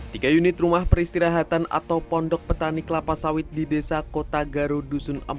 tiga unit rumah peristirahatan atau pondok petani kelapa sawit di desa kota garo dusun empat